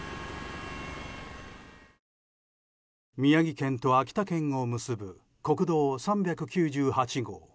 宮城県と秋田県を結ぶ国道３９８号。